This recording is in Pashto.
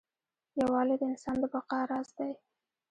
یووالی د انسان د بقا راز دی.